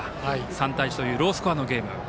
３対１というロースコアのゲーム。